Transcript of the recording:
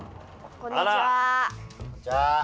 こんにちは！